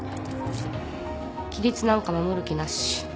規律なんか守る気なし。